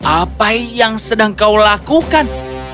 apa yang kau lakukan